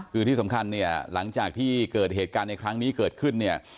คือที่สำคัญเนี่ยหลังจากที่เกิดเหตุการณ์ในครั้งนี้เกิดขึ้นเนี่ย